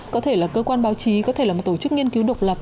có thể là cơ quan báo chí có thể là một tổ chức nghiên cứu